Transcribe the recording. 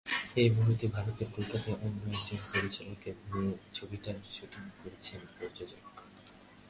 এই মুহূর্তে ভারতের কলকাতায় অন্য একজন পরিচালককে নিয়ে ছবিটির শুটিং করছেন প্রযোজক।